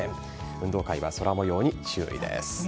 運動会は空模様に注意です。